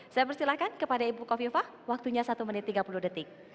saya persilahkan kepada ibu kofifah waktunya satu menit tiga puluh detik